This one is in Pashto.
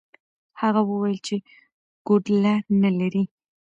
هغه وویل چې کوډله نه لري.